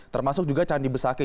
termasuk juga candi besaki